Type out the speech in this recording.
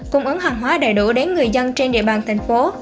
cung ứng hàng hóa đầy đủ đến người dân trên địa bàn thành phố